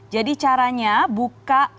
jadi caranya buka ke